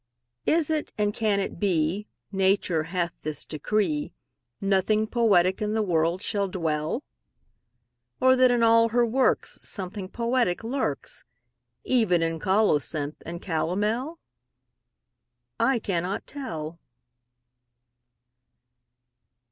Is it, and can it be, Nature hath this decree, Nothing poetic in the world shall dwell? Or that in all her works Something poetic lurks, Even in colocynth and calomel? I cannot tell.